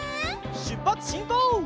しゅっぱつしんこう！